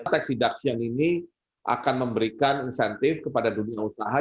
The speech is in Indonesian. tekstil vaksin ini akan memberikan insentif kepada dunia usaha